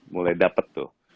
mulai dapet tuh